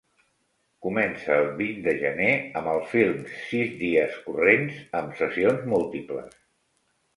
Comence el vint de gener amb el film "Sis dies corrents" amb sessions múltiples.